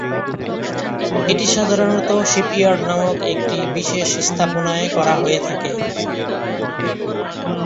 এটি সাধারণত শিপ-ইয়ার্ড নামক একটি বিশেষ স্থাপনায় করা হয়ে থাকে।